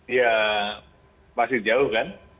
ya masih jauh kan